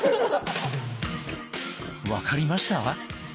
分かりました？